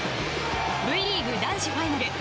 Ｖリーグ男子ファイナル。